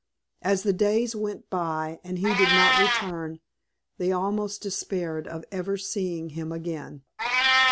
As the days went by and he did not return they almost despaired of ever seeing him again.